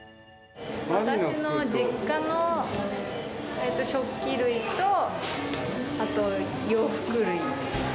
私の実家の食器類と、あと洋服類。